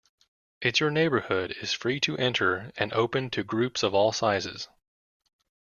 It's Your Neighbourhood is free to enter and open to groups of all sizes.